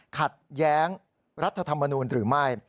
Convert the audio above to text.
ขัดแย้งรัฐธรรมนูลหรือไม่